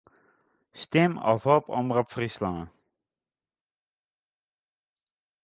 Stim ôf op Omrop Fryslân.